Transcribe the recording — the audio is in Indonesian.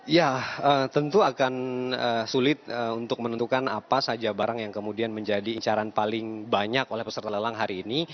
ya tentu akan sulit untuk menentukan apa saja barang yang kemudian menjadi incaran paling banyak oleh peserta lelang hari ini